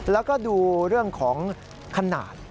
แล้วก็ดูเรื่องของขนาด